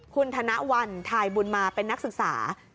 คุณธนวัลทายบุญมาเป็นนักศึกษา